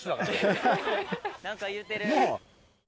何か言うてる。